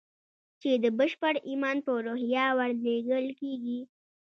چې د بشپړ ايمان په روحيه ورلېږل کېږي.